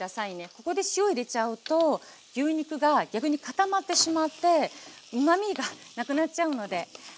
ここで塩入れちゃうと牛肉が逆に固まってしまってうまみがなくなっちゃうので。